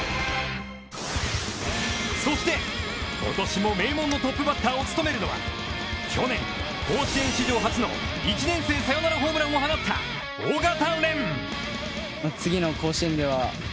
そして、ことしも名門のトップバッターを務めるのは、去年、甲子園史上初の１年生サヨナラホームランを放った緒方漣！